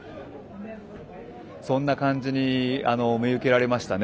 そんな感じに見受けられましたね。